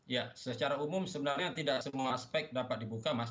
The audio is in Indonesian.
ya secara umum sebenarnya tidak semua aspek dapat dibuka mas